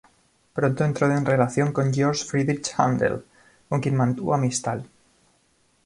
Pronto entró en relación con Georg Friedrich Händel, con quien mantuvo amistad.